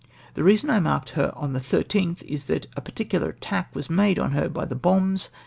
The reason I marked her on the 13th is, that a particular attack was made on her by the bombs.